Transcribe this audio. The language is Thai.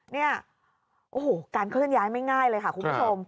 เนี่ยโอ้โหการเคลื่อนย้ายไม่ง่ายเลยค่ะคุณผู้ชม